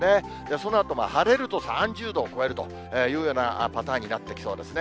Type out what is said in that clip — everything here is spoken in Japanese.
そのあとも晴れると３０度を超えるというようなパターンになってきそうですね。